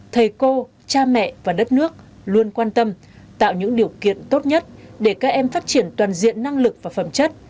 thầy cô cha mẹ và đất nước luôn quan tâm tạo những điều kiện tốt nhất để các em phát triển toàn diện năng lực và phẩm chất